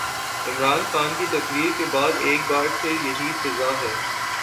عمران خان کی تقریر کے بعد ایک بار پھر یہی فضا ہے۔